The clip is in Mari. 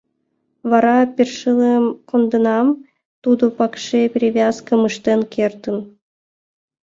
Вара першылым конденам, тудо пыкше перевязкым ыштен кертын.